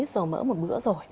dầu mỡ một bữa rồi